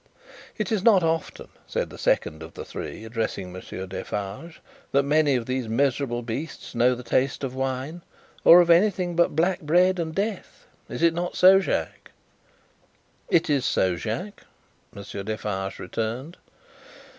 "It is not often," said the second of the three, addressing Monsieur Defarge, "that many of these miserable beasts know the taste of wine, or of anything but black bread and death. Is it not so, Jacques?" "It is so, Jacques," Monsieur Defarge returned.